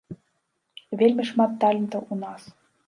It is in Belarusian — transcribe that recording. Вельмі шмат талентаў у нас.